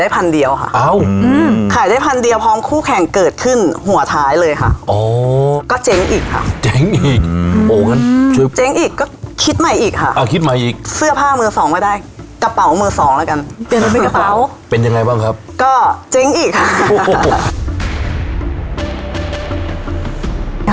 เปลี่ยนไปกระเป๋าเป็นยังไงบ้างครับก็เจ๋งอีกค่ะ